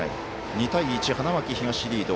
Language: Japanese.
２対１、花巻東リード。